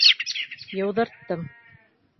Йыуҙырттым.